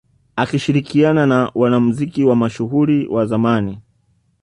Akishirikiana na wanamuziki wa mashuhuri wa zamani